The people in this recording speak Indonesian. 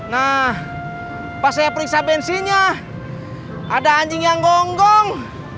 nah pas saya periksa bensinnya ada anjing yang gonggong